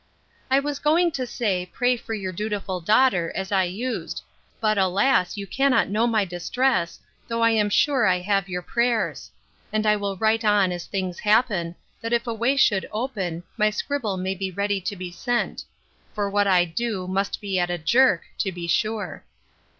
I was going to say, Pray for your dutiful daughter, as I used; but, alas! you cannot know my distress, though I am sure I have your prayers: And I will write on as things happen, that if a way should open, my scribble may be ready to be sent: For what I do, must be at a jerk, to be sure.